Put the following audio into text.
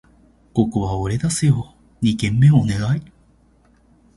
ここは俺出すよ！二軒目はお願い